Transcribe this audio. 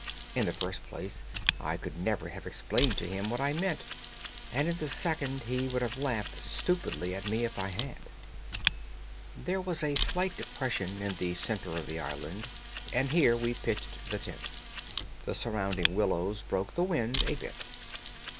In the first place, I could never have explained to him what I meant, and in the second, he would have laughed stupidly at me if I had. There was a slight depression in the center of the island, and here we pitched the tent. The surrounding willows broke the wind a bit.